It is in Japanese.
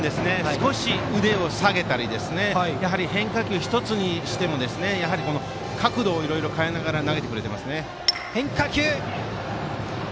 少し腕を下げたり変化球１つにしても角度をいろいろ変えながら投げていますね。